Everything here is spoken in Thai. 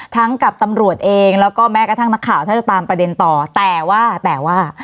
กับตำรวจเองแล้วก็แม้กระทั่งนักข่าวถ้าจะตามประเด็นต่อแต่ว่าแต่ว่า